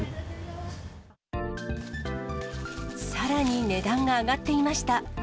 さらに値段が上がっていました。